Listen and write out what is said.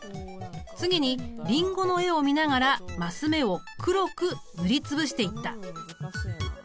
次にリンゴの絵を見ながらマス目を黒く塗り潰していった。